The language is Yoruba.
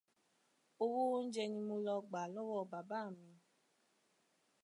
Owó oúnjẹ ni mo lọ ọ gbà lọ́wọ́ bàbá mi.